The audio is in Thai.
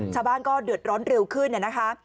ชาวบ้านก็เดือดร้อนเร็วขึ้นนะคะ